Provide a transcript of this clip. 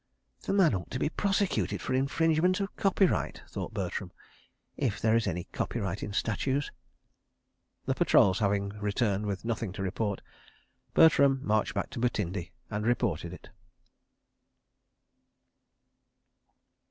"The man ought to be prosecuted for infringement of copyright," thought Bertram, "if there is any copyright in statues. ..." The patrols having returned with nothing to report, Bertram marched back to Butindi and reported it.